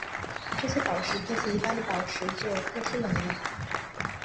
这些宝石比起一般宝石具有特殊能力。